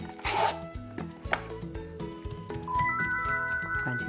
こんな感じで。